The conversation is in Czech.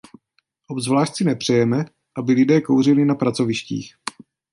Obzvlášť si nepřejeme, aby lidé kouřili na pracovištích.